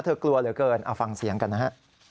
กลัวเหลือเกินเอาฟังเสียงกันนะฮะ